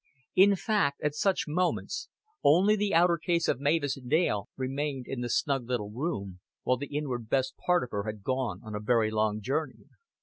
In fact, at such moments, only the outer case of Mavis Dale remained in the snug little room, while the inward best part of her had gone on a very long journey.